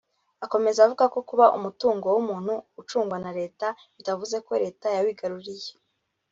Akomeza avuga ko kuba umutungo w’umuntu ucungwa na Leta bitavuze ko Leta yawigaruriye